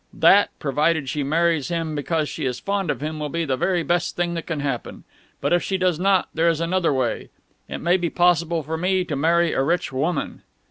That, provided she marries him because she is fond of him, will be the very best thing that can happen. But if she does not, there is another way. It may be possible for me to marry a rich woman."